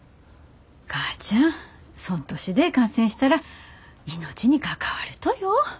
母ちゃんそん年で感染したら命に関わるとよ。